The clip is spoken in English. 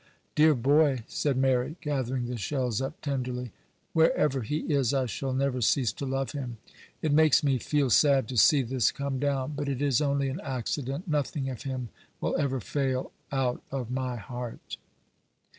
'Dear boy,' said Mary, gathering the shells up tenderly; 'wherever he is, I shall never cease to love him; it makes me feel sad to see this come down; but it is only an accident; nothing of him will ever fail out of my heart.